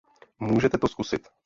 Můžete to zkusit.